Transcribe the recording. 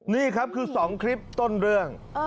นี่ครับคือ๒คลิปต้นเรื่อง